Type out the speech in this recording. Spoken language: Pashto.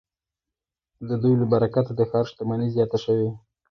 د دوی له برکته د ښار شتمني زیاته شوې.